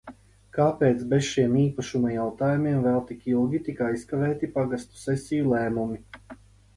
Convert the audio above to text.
Kāpēc bez šiem īpašuma jautājumiem vēl tik ilgi tika aizkavēti pagastu sesiju lēmumi?